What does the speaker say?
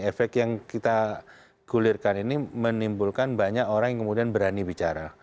efek yang kita gulirkan ini menimbulkan banyak orang yang kemudian berani bicara